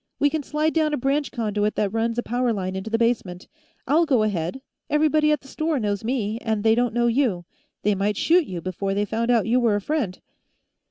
"We can slide down a branch conduit that runs a power line into the basement. I'll go ahead; everybody at the store knows me, and they don't know you. They might shoot you before they found out you were a friend."